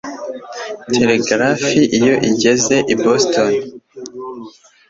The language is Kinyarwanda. Telegraph iyo ugeze i Boston